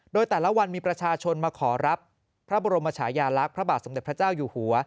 โดยแต่ละวันมีประชาชนมาขอรับพระบรมชายาลักษณ์พระบาทสมเด็จพระเจ้าอยู่หัว